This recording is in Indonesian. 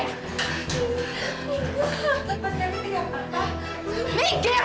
tidak mas kevin tidak apa apa